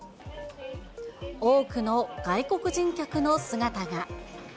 多くの外国人客の姿が。